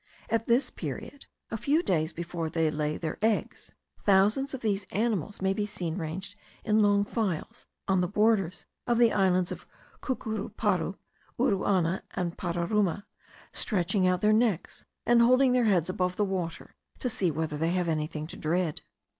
At this period, a few days before they lay their eggs, thousands of these animals may be seen ranged in long files, on the borders of the islands of Cucuruparu, Uruana, and Pararuma, stretching out their necks and holding their heads above water, to see whether they have anything to dread.